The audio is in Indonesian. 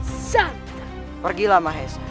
dan menangkap kake guru